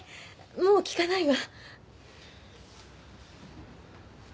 もう聞かないわ。